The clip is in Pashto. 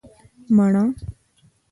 🍏 مڼه